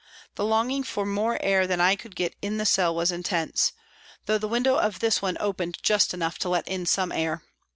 The longing for more air than I could get in the cell was intense, though the window of this one opened just enough to let in some air.